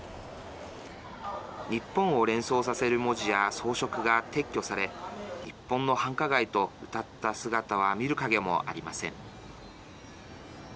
日本を連想させる文字や装飾が撤去され日本の繁華街とうたった姿は見る影もありません。